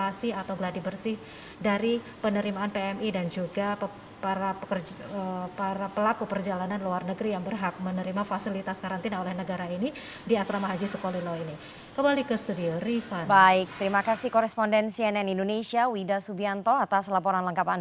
asrama haji surabaya jawa timur